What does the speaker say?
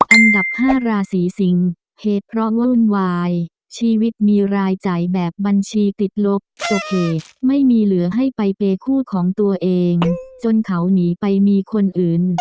อันดับ๕ราศีสิงเหตุเพราะว่าวุ่นวายชีวิตมีรายจ่ายแบบบัญชีติดลบโอเคไม่มีเหลือให้ไปเปย์คู่ของตัวเองจนเขาหนีไปมีคนอื่น